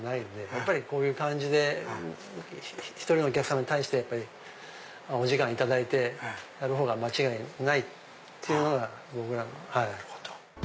やっぱりこういう感じで１人のお客さまに対してお時間いただいてやる方が間違いないっていうのが僕らのはい。